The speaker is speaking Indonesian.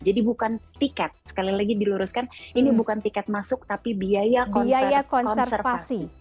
jadi bukan tiket sekali lagi diluruskan ini bukan tiket masuk tapi biaya konservasi